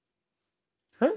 え？